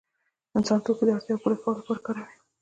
انسان توکي د اړتیاوو پوره کولو لپاره کاروي.